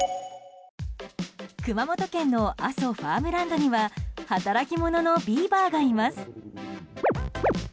熊本県の阿蘇ファームランドには働き者のビーバーがいます。